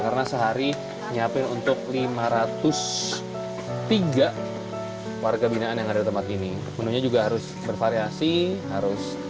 karena sehari nyiapin untuk lima ratus tiga warga binaan yang ada tempat ini menunya juga harus bervariasi harus